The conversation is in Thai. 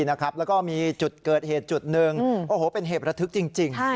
แล้วก็มีจุดเกิดเหตุจุดหนึ่งโอ้โหเป็นเหตุระทึกจริง